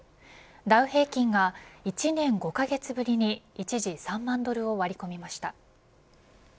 ダウ平均が１年５カ月ぶりに一時３万ドルを割り込みました。